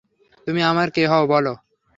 তুমি আমার কে হও, বলো।